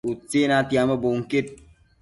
Utsi natiambo bunquid